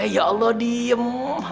ya allah diem